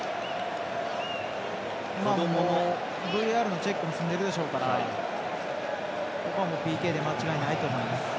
ＶＡＲのチェックも済んでるでしょうからここもＰＫで間違いないと思います。